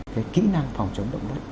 cái kỹ năng phòng chống động đất